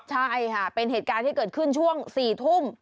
ประมาณนี้กลัวโดนลูกหลงอ่ะใช่ค่ะเป็นเหตุการณ์ที่เกิดขึ้นช่วงสี่ทุ่ม